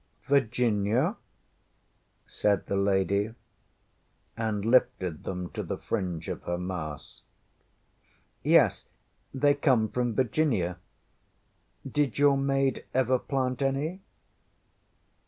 ŌĆÖ ŌĆśVirginia? ŌĆÖ said the lady, and lifted them to the fringe of her mask. ŌĆśYes. They come from Virginia. Did your maid ever plant any?